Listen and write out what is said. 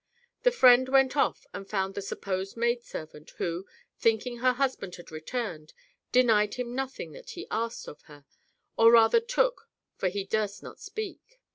The friend went off and found the supposed maid servant, who, thinking her husband had returned, denied him nothing that he asked of her, or rather took, for he durst not speak.